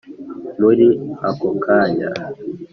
muri ako kanya